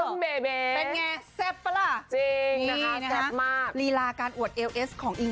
นับช้ากว่านี้ได้หนึ่งหนึ่ง